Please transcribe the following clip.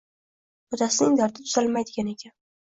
Otasining dardi tuzalmaydigan ekan